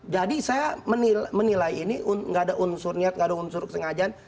jadi saya menilai ini nggak ada unsur niat nggak ada unsur sengaja